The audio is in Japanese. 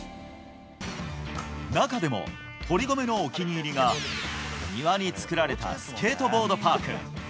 中でも堀米のお気に入りが庭に作られたスケートボードパーク。